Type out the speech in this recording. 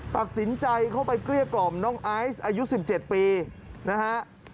ตัดสินใจเข้าไปเกลี้ยกล่อมน้องไอซ์อายุ๑๗ปีนะฮะ